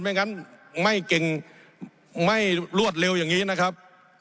ไม่งั้นไม่เก่งไม่รวดเร็วอย่างนี้นะครับ